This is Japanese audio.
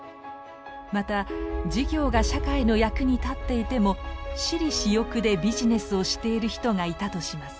また事業が社会の役に立っていても私利私欲でビジネスをしている人がいたとします。